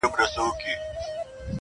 o د خره مابت لا گوز دئ، لا لغته!